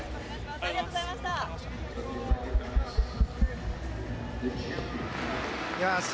ありがとうございます。